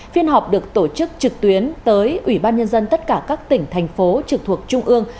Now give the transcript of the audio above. phiên họp được tổ chức trực tuyến tới ủy ban nhân dân tất cả các tỉnh thành phố trực thuộc trung ương